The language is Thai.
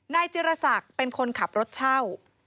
นายจิรษักเป็นคนขับรถเช่า